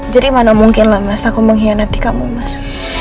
jadi mana mungkin lah mas aku mengkhianati kamu mas